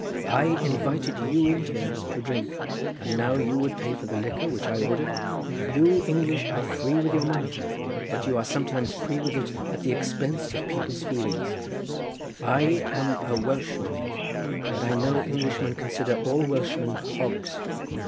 I invited you in here to drink, and now you would pay for the liquor which I ordered. You English are free with your money, but you are sometimes free with it at the expense of people's feelings. I am a Welshman, and I know Englishmen consider all Welshmen hogs.